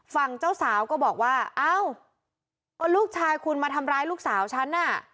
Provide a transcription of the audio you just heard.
ฝั่งเจ้าสาวก็บอกว่าเอ้าก็ลูกชายคุณมาทำร้ายลูกสาวฉันน่ะ